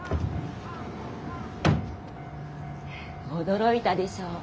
驚いたでしょ。